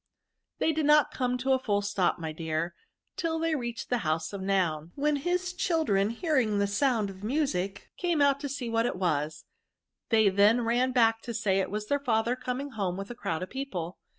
They did not come to a full stop, my dear, till they reached the house of Noun ; when his children, hearing the sound of music, came out to see what it was ; they then ran back to say that it was their father coming home with a crowd of people.